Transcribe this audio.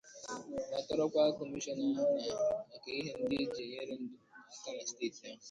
ma tọrọkwa Kọmishọna na-ahụ maka ihe ndị e ji enyere ndụ aka na steeti ahụ